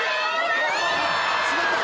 滑った！